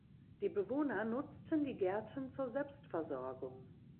Die Bewohner nutzten die Gärten zur Selbstversorgung.